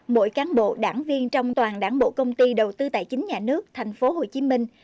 mỗi cán bộ đảng viên trong toàn đảng bộ công ty đầu tư tài chính nhà nước thành phố hồ chí minh